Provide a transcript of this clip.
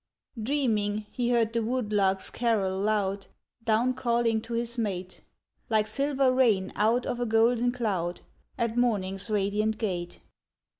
Dreaming he heard the wood lark's carol loud, Down calling to his mate, Like silver rain out of a golden cloud, At morning's radiant gate.